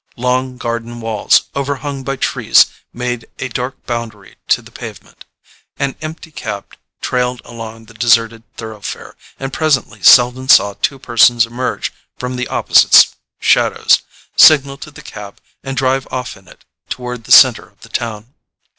Long garden walls overhung by trees made a dark boundary to the pavement; an empty cab trailed along the deserted thoroughfare, and presently Selden saw two persons emerge from the opposite shadows, signal to the cab, and drive off in it toward the centre of the town.